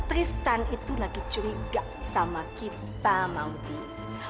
tristan itu lagi curiga sama kita mampir